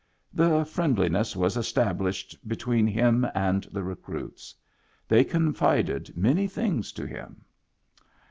And friendliness was established be tween him and the recruits. They confided many things to him.